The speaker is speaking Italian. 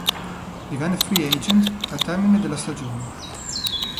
Divenne free agent al termine della stagione.